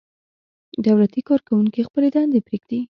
دولتي کارکوونکي خپلې دندې پرېږدي.